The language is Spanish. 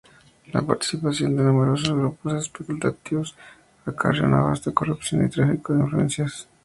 La participación de numerosos grupos especulativos acarreó una vasta corrupción y tráfico de influencias.